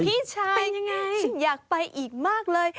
พี่ชายฉันอยากไปอีกมากเลย